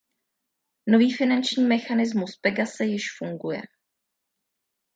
Nový finanční mechanismus Pegase již funguje.